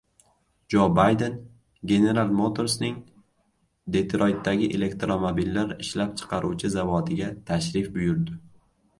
Jo Bayden General Motors’ning Detroytdagi elektromobillar ishlab chiqaruvchi zavodiga tashrif buyurdi